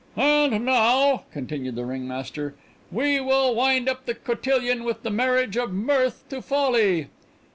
"And now," continued the ringmaster, "we will wind up the cotillion with the marriage of Mirth to Folly!